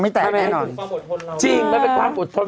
ทำไมไม่เป็นความบทธนเรานะจริงไม่เป็นความบทธน